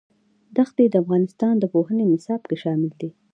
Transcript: ښتې د افغانستان د پوهنې نصاب کې شامل دي.